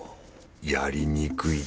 やりにくい